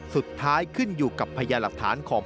สุดท้ายขึ้นอยู่กับพยาลับฐานของ